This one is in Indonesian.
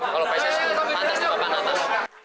kalau psis mantas di bapak natas